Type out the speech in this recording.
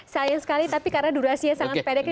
sayang sekali tapi karena durasinya sangat pendek